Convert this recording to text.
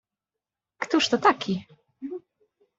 "Któż to taki?"